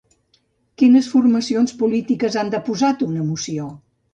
Quines formacions polítiques han deposat una moció?